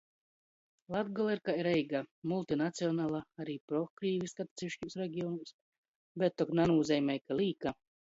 Latgola ir kai Reiga - multinacionala, ari prokrīviska atseviškūs regionūs, bet tok nanūzeimoj, ka līka.